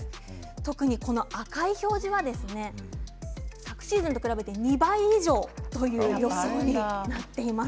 特に赤い表示は昨シーズンと比べて２倍以上という予想になっています。